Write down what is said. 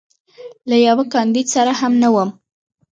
له یوه کاندید سره هم نه وم.